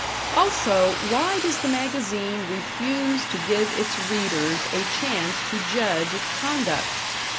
Also, why does the magazine refuse to give its readers a chance to judge its conduct?